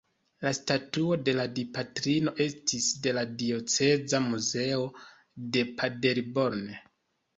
La statuo de la Dipatrino estis de la dioceza muzeo de Paderborn.